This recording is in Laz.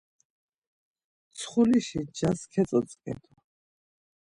Mtsxuli ncas ketzotzǩedu.